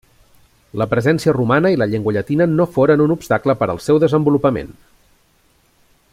La presència romana i la llengua llatina no foren un obstacle per al seu desenvolupament.